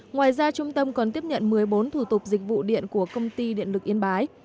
ngoài ra trung tâm còn tiếp nhận một mươi bốn thủ tục dịch vụ điện của công ty điện lực yên bái